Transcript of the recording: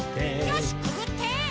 よしくぐって！